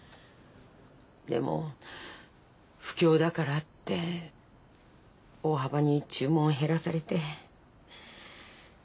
でも不況だからって大幅に注文を減らされて。